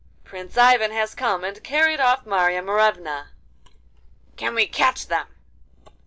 'Prince Ivan has come and carried off Marya Morevna.' 'Can we catch them?